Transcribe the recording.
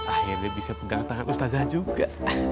akhirnya bisa pegang tangan ustazah juga